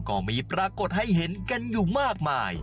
ก็มีปรากฏให้เห็นกันอยู่มากมาย